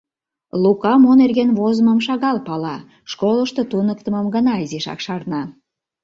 Лука мо нерген возымым шагал пала, школышто туныктымым гына изишак шарна.